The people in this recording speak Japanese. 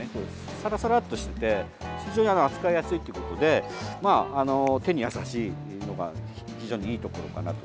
さらさらとしていて非常に扱いやすいということで手に優しいのが非常にいいところかなと。